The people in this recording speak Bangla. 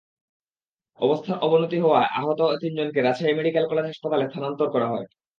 অবস্থার অবনতি হওয়া আহত তিনজনকে রাজশাহী মেডিকেল কলেজ হাসপাতালে স্থানান্তর করা হয়।